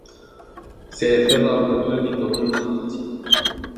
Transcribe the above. Se referă la lucrătorii din domeniul sănătății.